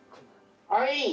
はい。